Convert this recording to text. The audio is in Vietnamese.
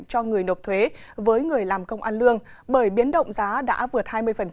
cho người nộp thuế với người làm công an lương bởi biến động giá đã vượt hai mươi